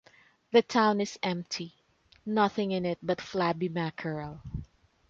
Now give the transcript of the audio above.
The town is empty, nothing in it but flabby mackerel.